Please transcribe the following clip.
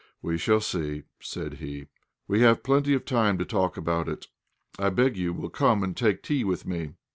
we shall see!" said he, "we have plenty of time to talk about it. I beg you will come and take tea with me.